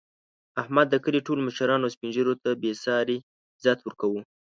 احمد د کلي ټولو مشرانو او سپین ږېرو ته بې ساري عزت ورکوي.